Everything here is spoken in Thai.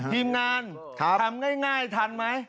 ทีมงานทำง่ายทันไหม